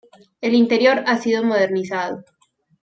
El interior ha sido modernizado.